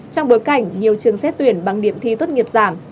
trong bối cảnh nhiều trường xét tuyển bằng điểm thi tốt nghiệp giảm